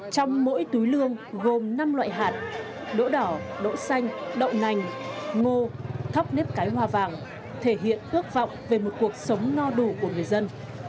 trong mỗi túi lương gồm năm loại hạt đỗ đỏ đỗ xanh đậu nành ngô thóc nếp cái hoa vàng thể hiện ước vọng về một cuộc sống no đủ của người dân